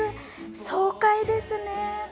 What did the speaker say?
爽快ですね。